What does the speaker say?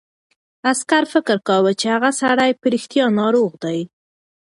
عسکر فکر کاوه چې هغه سړی په رښتیا ناروغ دی.